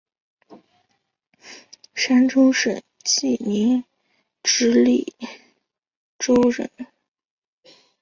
山东省济宁直隶州人。